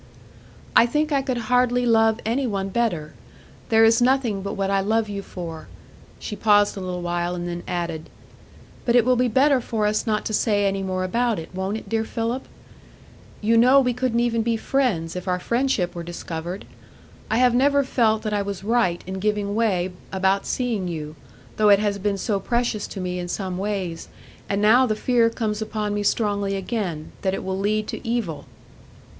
"I think I could hardly love any one better; there is nothing but what I love you for." She paused a little while, and then added: "But it will be better for us not to say any more about it, won't it, dear Philip? You know we couldn't even be friends, if our friendship were discovered. I have never felt that I was right in giving way about seeing you, though it has been so precious to me in some ways; and now the fear comes upon me strongly again, that it will lead to evil."